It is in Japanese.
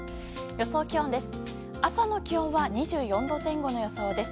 予想気温です。